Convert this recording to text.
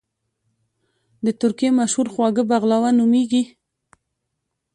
د ترکی مشهور خواږه بغلاوه نوميږي